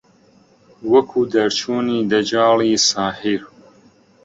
وەکوو دەرچوونی دەجاڵی ساحیر